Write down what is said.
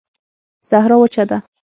صحرا وچه ده